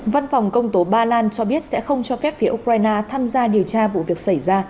văn phòng công tố ba lan cho biết sẽ không cho phép phía ukraine tham gia điều tra vụ việc xảy ra